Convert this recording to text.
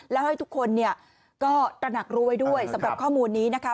แล้วให้ทุกคนเนี่ยก็ตระหนักรู้ไว้ด้วยสำหรับข้อมูลนี้นะคะ